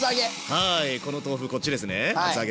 はいこの豆腐こっちですね